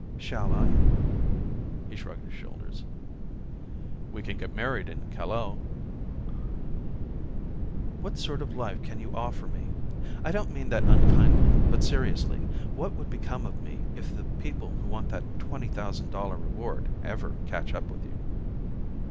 "Shall I?" He shrugged his shoulders. "We can get married in Callao." "What sort of life can you offer me? I don't mean that unkindly, but seriously; what would become of me if the people who want that twenty thousand dollar reward ever catch up with you?"